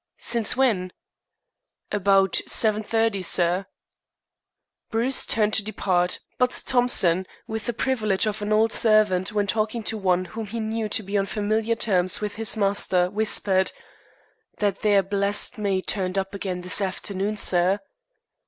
"Since when?" "About 7.30, sir." Bruce turned to depart, but Thompson, with the privilege of an old servant when talking to one whom he knew to be on familiar terms with his master, whispered: "That there blessed maid turned up again this afternoon, sir."